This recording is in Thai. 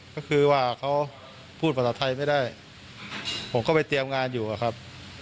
ก็คือว่าเขาพูดภาษาไทยไม่ได้ผมก็ไปเตรียมงานอยู่อะครับ